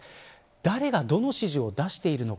誰がどの指示を出しているのか。